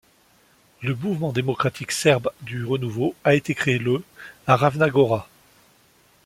Le mouvement démocratique serbe du renouveau a été créé le à Ravna Gora.